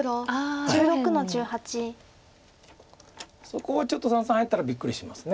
そこはちょっと三々入ったらびっくりします。